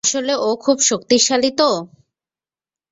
আসলে ও খুব শক্তিশালী তো।